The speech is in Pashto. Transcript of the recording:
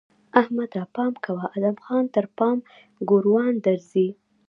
احمده! پام کوه؛ ادم خان تر پام ګوروان درځي!